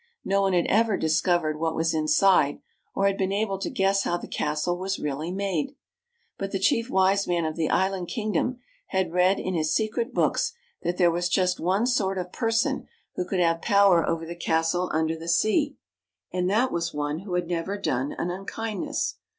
No one had ever discovered what was inside, or had been able to guess how the castle was really made. But the Chief Wise Man of the island kingdom had read in his secret books that there was just one sort of person who could have power over the castle under the sea, and that was one who 134 THE CASTLE UNDER THE SEA had never done an unkindness.